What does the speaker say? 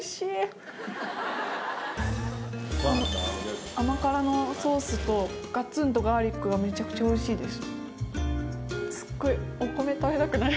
この甘辛のソースとガツンとガーリックがめちゃくちゃおいしいです。